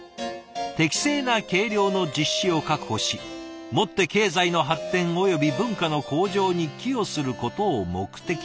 「適正な計量の実施を確保し、もって経済の発展及び文化の向上に寄与することを目的とする」。